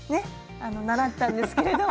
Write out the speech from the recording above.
習ったんですけれども。